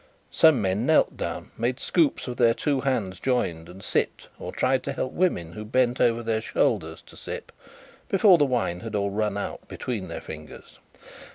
Some men kneeled down, made scoops of their two hands joined, and sipped, or tried to help women, who bent over their shoulders, to sip, before the wine had all run out between their fingers.